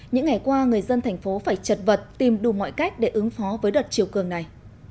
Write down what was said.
những ngày qua người dân thành phố phải chật vật tìm đủ mọi cách để ứng phó với đợt chiều cường này